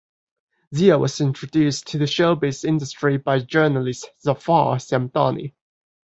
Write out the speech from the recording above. Zia was introduced to the showbiz industry by journalist Zafar Samdani.